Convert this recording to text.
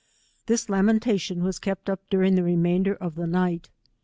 This lamentation was kept up during the remainder of the night.